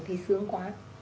thấy sướng quá